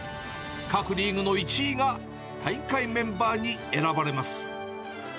各リーグの１位が大会メンバーに選ばれます。